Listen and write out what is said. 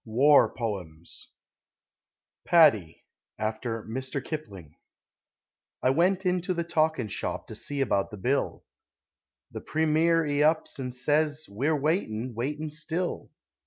WAR POEMS PADDY (After Mr. Kipling) I went into the talkin' shop to see about the Bill; The Premier 'e ups and says: "We're waitin' ... waitin' still!"